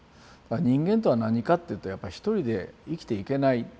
人間とは何かっていうとやっぱり一人で生きていけないっていうこと。